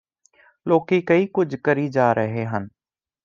ਲੋਕੀ ਕਈ ਕੁੱਝ ਕਰੀ ਜਾ ਰੇਹੇ ਹਨ